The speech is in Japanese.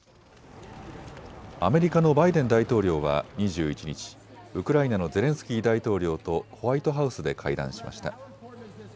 アメリカのバイデン大統領は２１日、ウクライナのゼレンスキー大統領とホワイトハウスで会談しました。